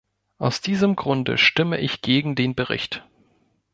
Aus diesem Grunde stimme ich gegen den Bericht.